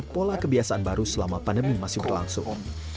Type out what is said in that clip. pola kebiasaan baru selama pandemi masih berlangsung